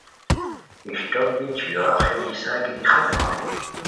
اشٹوک دی چھوئیو آخری حصا گیتی ختم ہوئے